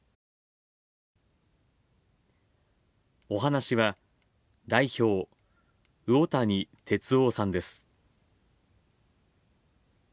お話しは、代表魚谷哲央さんです。